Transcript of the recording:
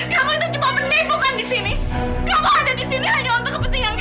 kamu dusta tolong